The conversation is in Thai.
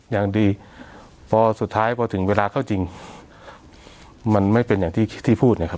อย่างดีพอสุดท้ายพอถึงเวลาเข้าจริงมันไม่เป็นอย่างที่ที่พูดนะครับ